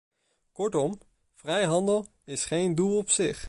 Kortom, vrijhandel is geen doel op zich.